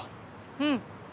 うん。